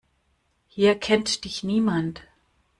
Hier kennt dich niemand.